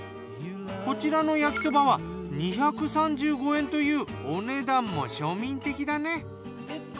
こちらの焼きそばは２３５円というお値段も庶民的だね。